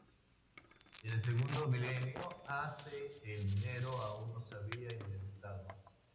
En el segundo milenio a. C., el dinero aún no se había inventado.